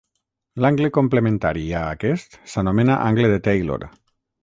L'angle complementari a aquest s'anomena angle de Taylor.